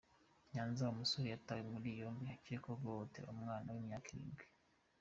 Nyanza umusore Yatawe muri yombi akekwaho guhohotera umwana w’imyaka irindwi